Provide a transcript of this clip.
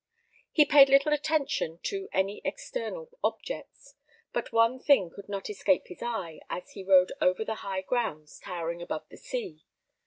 He paid little attention to any external objects; but one thing could not escape his eye as he rode over the high grounds towering above the sea.